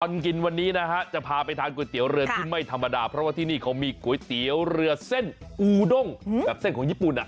กินวันนี้นะฮะจะพาไปทานก๋วยเตี๋ยวเรือที่ไม่ธรรมดาเพราะว่าที่นี่เขามีก๋วยเตี๋ยวเรือเส้นอูด้งแบบเส้นของญี่ปุ่นอ่ะ